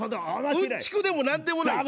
うんちくでも何でもない。